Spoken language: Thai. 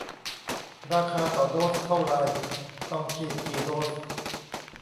ราคาต่อโดสเท่าไร ต้องฉีดกี่โดส